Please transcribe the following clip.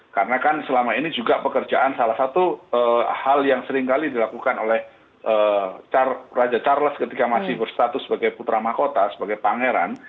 karena kan selama ini juga pekerjaan salah satu hal yang seringkali dilakukan oleh raja charles ketika masih berstatus sebagai putra makota sebagai pangeran